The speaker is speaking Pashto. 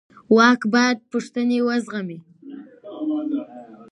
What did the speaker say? واک باید پوښتنې وزغمي